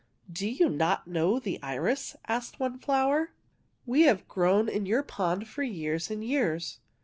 '' Do you not know the iris? " asked one flower. " We have grown in your pond for years and years.